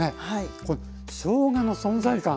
これしょうがの存在感感じます。